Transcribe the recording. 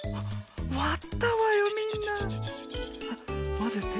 まぜて。